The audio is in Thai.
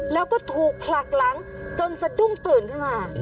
แล้วก็ถูกผลักหลังจนสะดุ้งตื่นขึ้นมา